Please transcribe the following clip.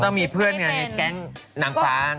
ก็ต้องมีเพื่อนอย่างนี้แกล้งหนังฟ้าง